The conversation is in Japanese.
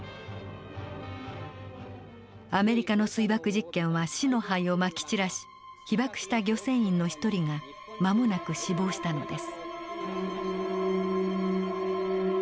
アメリカの水爆実験は死の灰をまき散らし被ばくした漁船員の一人が間もなく死亡したのです。